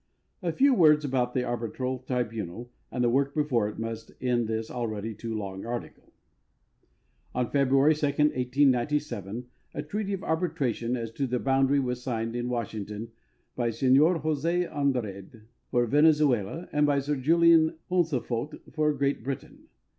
A few words about the arbitral tribunal and the work before it must end this alread_y too long article. On February 2, 1897, a treaty of arbitration as to the boundary'' Avas signed in Washington by Seiior Jose Andrade, for Venezuela, and by Sir Julian Pauncefote, for Great Britain.